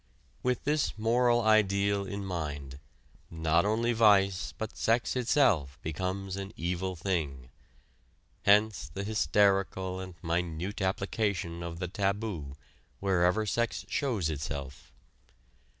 With this moral ideal in mind, not only vice, but sex itself, becomes an evil thing. Hence the hysterical and minute application of the taboo wherever sex shows itself.